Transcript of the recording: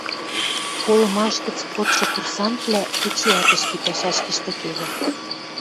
Колымаш гӹц кодшы курсантвлӓ эчеӓт ӹшке пӓшӓшкӹштӹ кевӹ.